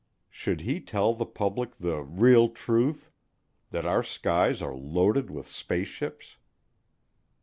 Should he tell the public "the real truth" that our skies are loaded with spaceships?